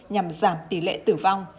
nhằm giảm tỷ lệ tử vong